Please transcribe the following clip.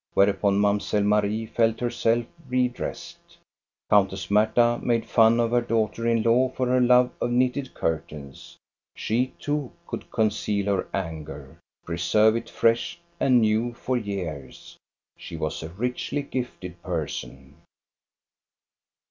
Whereupon Mamselle Marie felt her self redressed. I Countess Marta made fun of her daughter in law for her love of knitted curtains. She too could con ceal her anger — preserve it fresh and new for years. She was a richly gifted person.